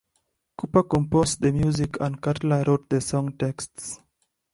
Cooper composed the music and Cutler wrote the song texts.